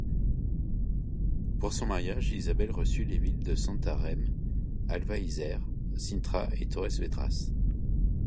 Pour son mariage, Isabelle reçut les villes de Santarém, Alvaiázere, Sintra et Torres Vedras.